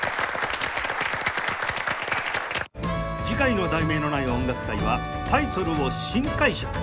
次回の『題名のない音楽会』は「タイトルを新解釈！